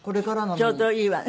ちょうどいいわね。